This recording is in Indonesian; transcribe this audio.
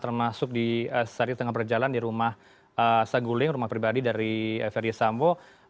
termasuk di saat ini tengah berjalan di rumah saguling rumah pribadi dari ferdie samwo